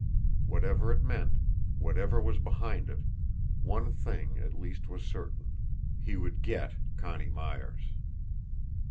Whatever it meant, whatever was behind it, one thing at least was certain HE WOULD GET CONNIE MYERS!